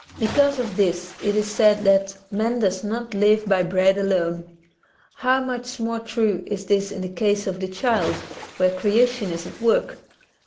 Because of this it is said that ''Man does not live by bread alone." How much more true is this in the case of the child, where creation is at work?